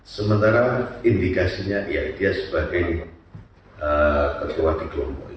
sementara indikasinya dia sebagai ketua di kelompok itu